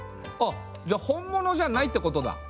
あっじゃあ本物じゃないってことだ。